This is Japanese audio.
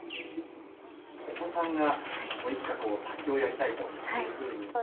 お子さんがいつか卓球をやりたいというふうに言ったら。